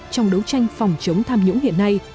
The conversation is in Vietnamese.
trong đấu tranh phòng chống tham nhũng hiện nay